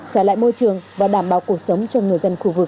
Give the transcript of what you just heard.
trả lại môi trường và đảm bảo cuộc sống cho người dân khu vực